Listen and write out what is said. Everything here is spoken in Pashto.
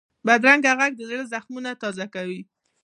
بدرنګه غږ د زړه زخمونه تازه کوي